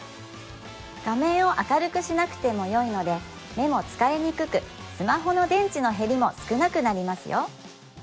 画面を明るくしなくてもよいので目も疲れにくくスマホの電池の減りも少なくなりますよ